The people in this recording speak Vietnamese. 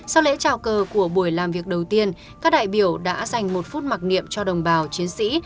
sau lễ trào cờ của buổi làm việc đầu tiên các đại biểu đã dành một phút mặc niệm cho đồng bào chiến sĩ